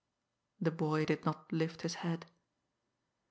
The boy did not lift his head.